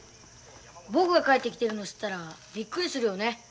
僕が帰ってきてるの知ったらびっくりするよね。